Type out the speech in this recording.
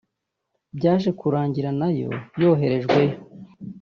Byaje kurangira nayo yoherejweyo